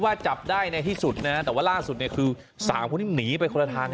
ว่าจับได้ในที่สุดนะแต่ว่าล่าสุดคือสามคนหนีไปคนละทาง